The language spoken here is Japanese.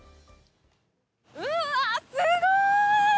うわっ、すごい！